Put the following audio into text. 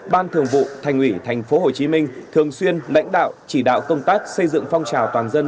ban thường vụ thành ủy tp hcm thường xuyên lãnh đạo chỉ đạo công tác xây dựng phong trào toàn dân